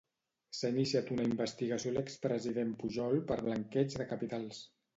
S'ha iniciat una investigació a l'expresident Pujol per blanqueig de capitals.